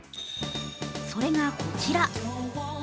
それがこちら。